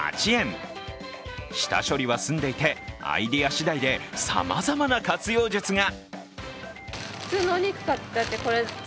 下処理は済んでいて、アイデアしだいでさまざまな活用術が。